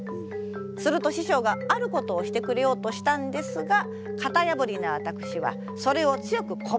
すると師匠があることをしてくれようとしたんですがかたやぶりな私はそれを強くこばみました。